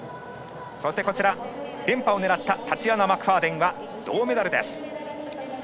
そして、連覇を狙ったタチアナ・マクファーデンは銅メダルです。